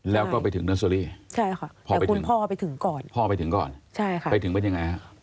แล้วก็ไปถึงเนอร์เซอรี่